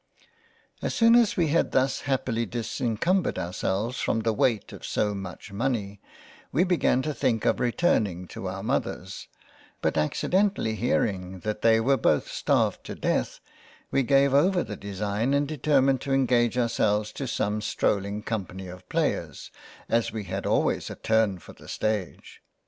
As soon as we had thus happily dis encumbered ourselves from the weight of so much money, we began to think of returning to our Mothers, but accidentally hearing that they were both starved to Death, we gave over the design and determined to engage ourselves to some stroll ing Company of Players, as we had always a turn for the Stage.